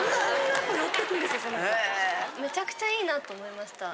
めちゃくちゃいいなと思いました。